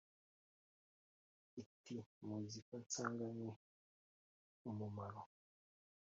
iti : muzi ko nsanganywe umumaro,